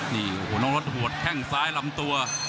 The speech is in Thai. นี่โอ้โหน้องรถหัวแข้งซ้ายลำตัว